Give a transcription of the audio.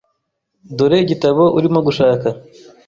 Dore igitabo urimo gushaka .